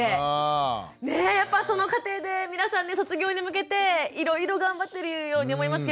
ねやっぱその家庭で皆さんね卒業に向けていろいろ頑張ってるように思いますけれども。